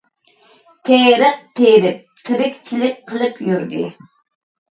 تېرىق تېرىپ ، تىرىكچىلىك قىلىپ يۈردى.